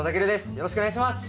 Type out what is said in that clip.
よろしくお願いします！